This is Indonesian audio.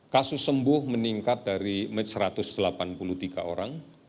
kasus sembuh meningkat dari satu ratus delapan puluh tiga orang